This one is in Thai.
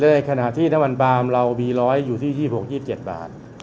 ในขณะที่น้ำมันบาร์มเราอยู่ที่ดีบหกยืดเจ็ดบาท